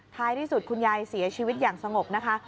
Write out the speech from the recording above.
ท้ายที่สุดคุณยายเสียชีวิตอย่างสงบนะคะ